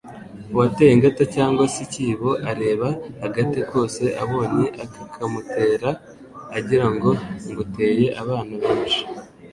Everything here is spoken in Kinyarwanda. uwateye ingata cyangwa se ikibo, areba agate kose abonye akakamutera agira ngo Nguteye abana benshi